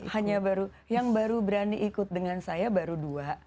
hanya baru yang baru berani ikut dengan saya baru dua